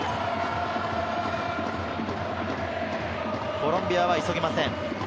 コロンビアは急ぎません。